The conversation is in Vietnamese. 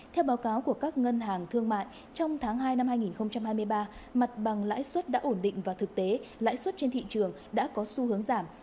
theo báo cáo của các ngân hàng thương mại trong tháng hai năm hai nghìn hai mươi ba mặt bằng lãi suất đã ổn định và thực tế lãi suất trên thị trường đã có xu hướng giảm